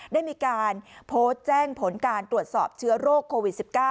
ได้มีการโพสต์แจ้งผลการตรวจสอบเชื้อโรคโควิด๑๙